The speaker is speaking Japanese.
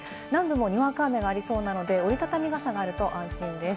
南部もにわか雨がありそうなので、折りたたみ傘があると安心です。